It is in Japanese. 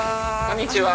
こんにちは。